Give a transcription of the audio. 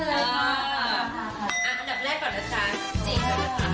เอาให้เลยนะคะ